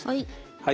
はい。